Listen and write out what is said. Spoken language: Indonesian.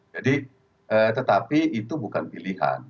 jadi tetapi itu bukan pilihan